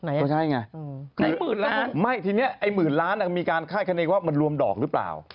ไหนไงไม่ทีนี้ไอ้หมื่นล้านมีการค่าอย่างนี้ว่ามันรวมดอกหรือเปล่า